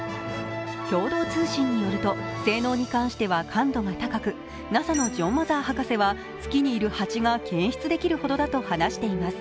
共同通信によると性能に関しては感度が高くＮＡＳＡのジョン・マザー博士は月にいる蜂が検出できるほどだと話しています。